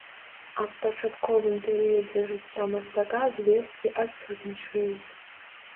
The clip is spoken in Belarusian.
Аб пачатковым перыядзе жыцця мастака звесткі адсутнічаюць.